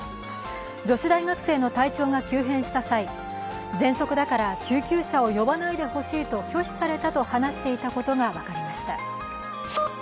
女子大学生の体調が急変した際、ぜんそくだから救急車を呼ばないでほしいと拒否されたと話していたことが分かりました。